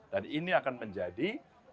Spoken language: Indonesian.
dan ini akan menjadi